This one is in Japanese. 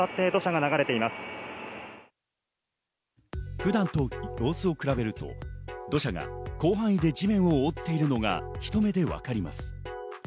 普段と様子を比べると土砂が広範囲で地面を覆っているのがひと目で分かります。